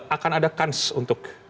akan ada kans untuk